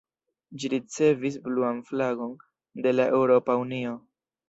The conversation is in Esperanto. Ĝi ricevis bluan flagon de la Eŭropa Unio.